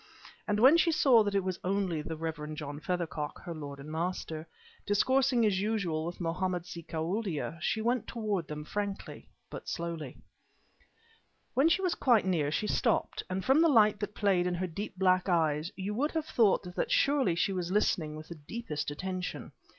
And when she saw that it was only the Rev. John Feathercock, her lord and master, discoursing as usual with Mohammed si Koualdia, she went toward them frankly but slowly. When she was quite near she stopped, and from the light that played in her deep black eyes you would have thought that surely she was listening with the deepest attention.